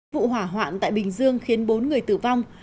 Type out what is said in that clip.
vụ hỏa hoạn tại bình dương khiến bốn người tử vong